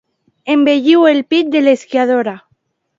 Embelliu el pit de l'esquiadora.